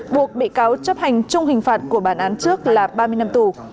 buộc bị cáo chấp hành chung hình phạt của bản án trước là ba mươi năm tù